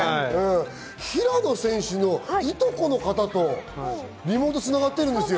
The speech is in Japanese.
平野選手のいとこの方とリモートが繋がってるんですよ。